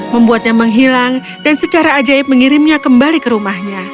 membuatnya menghilang dan secara ajaib mengirimnya kembali ke rumahnya